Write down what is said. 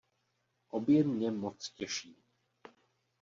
Obě mě moc těší.